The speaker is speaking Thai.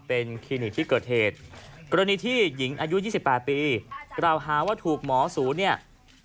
เป็นคลินิกที่เกิดเหตุกรณีที่หญิงอายุ๒๘ปีกล่าวหาว่าถูกหมอศูนย์เนี่ย